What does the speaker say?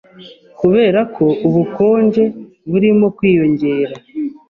kubera ko ubukonje burimo kwiyongera.